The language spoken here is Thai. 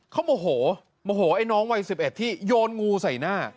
เขาโมโหโมโหไอ้น้องวัย๑๑ที่โยนงูใส่หน้า